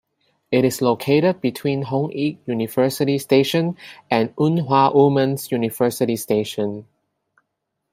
It is located between Hongik University Station and Ewha Womans University Station.